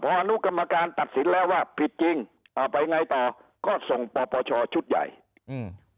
อนุกรรมการตัดสินแล้วว่าผิดจริงเอาไปไงต่อก็ส่งปปชชุดใหญ่อืม